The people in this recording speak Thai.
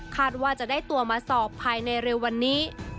ว่าจะได้ตัวมาสอบภายในเร็ววันนี้